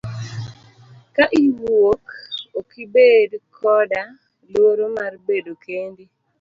Ka iwuok okibed koda luoro mar bedo kendi.